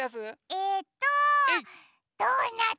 えっとドーナツ！